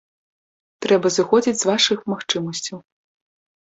Трэба зыходзіць з вашых магчымасцяў.